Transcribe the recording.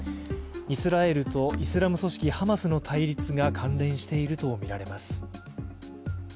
イスラエルとイスラム組織ハマスの対立が関連しているとみられます。